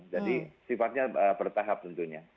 jadi sifatnya bertahap tentunya